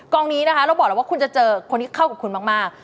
นี้นะคะเราบอกแล้วว่าคุณจะเจอคนที่เข้ากับคุณมาก